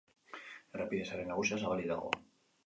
Errepide sare nagusia zabalik dago.